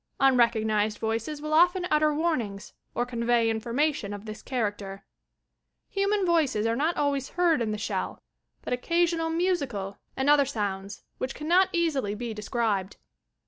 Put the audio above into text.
Unrecognized voices will often utter warnings or convey information of this character. Human voices CRYSTAL GAZING 155 are not alwajs beard in the shell, but occasional mnsicat aud other sounds which can not easily be described.